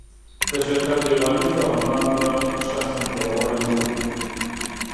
که شرکت ډيوالي شو، ارمان به شخصاً پوروړی نه و.